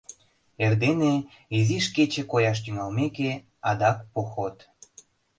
Эрдене, изиш кече кояш тӱҥалмеке, — адак поход.